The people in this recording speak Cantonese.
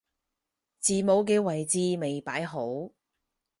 字母嘅位置未擺好